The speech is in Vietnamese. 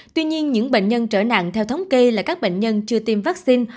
tuy nhiên những bệnh nhân trở nặng theo thống kê là các bệnh nhân chưa tiêm vaccine